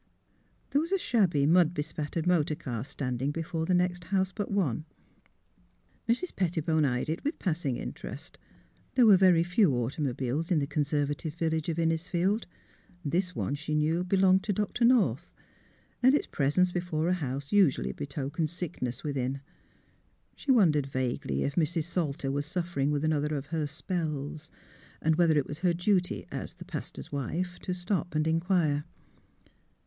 There was a shabby, mud bespattered motor car standing before the next house but one. Mrs. Pettibone eyed it with passing interest. There were very few automobiles in the conservative village of Innisfield. This one, she knew, belonged to Dr. North; and its presence before a house usually betokened sickness within. She wondered vaguely if Mrs. Salter was suffering with another of her spells," and whether it was her duty (as the pastor's wife) to stop and inquire.